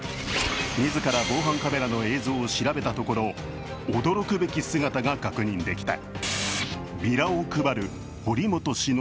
自ら防犯カメラの映像を調べたところ、驚くべき姿が確認できた。